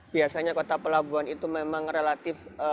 biasanya kota pelabuhan itu memang relatif